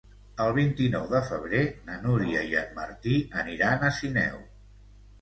El vint-i-nou de febrer na Núria i en Martí aniran a Sineu.